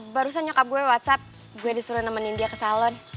barusan nyokap gue whatsapp gue disuruh nemenin dia ke salon